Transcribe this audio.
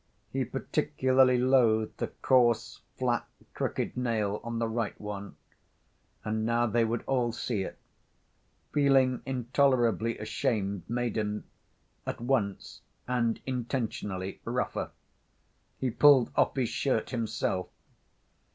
He particularly loathed the coarse, flat, crooked nail on the right one, and now they would all see it. Feeling intolerably ashamed made him, at once and intentionally, rougher. He pulled off his shirt, himself.